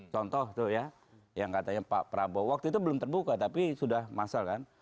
contoh tuh ya yang katanya pak prabowo waktu itu belum terbuka tapi sudah masal kan